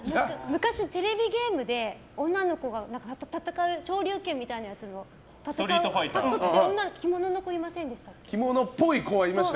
昔、テレビゲームで女の子が戦う昇竜拳みたいなやつのゲームで着物の子、いませんでした？